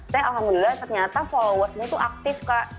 saya alhamdulillah ternyata followersnya itu aktif kak